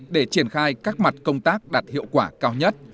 để triển khai các mặt công tác đạt hiệu quả cao nhất